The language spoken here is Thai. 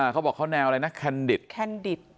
เขาบอกเขาแนวอะไรนะแคนดิต